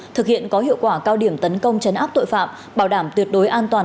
thực hiện có hiệu quả cao điểm tấn công chấn áp tội phạm bảo đảm tuyệt đối an toàn